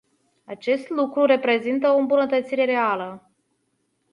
Acest lucru reprezintă o îmbunătățire reală.